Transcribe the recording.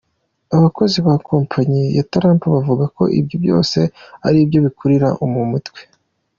Abakozi ba kompanyi ya Trump bavuga ko ivyo vyose “ari ivyo bikurira mu mutwe.